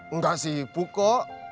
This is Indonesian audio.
enggak sih buko